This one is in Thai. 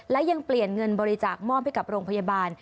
และยังเปลี่ยนเงินบริจาคมอบให้กับโรงพยาบาล